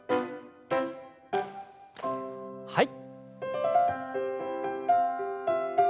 はい。